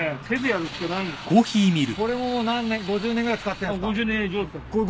これも何年５０年ぐらい使ってんすか？